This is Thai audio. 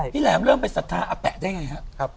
พี่แหลมเริ่มไปสัตธาอับแปะได้ยังไงครับ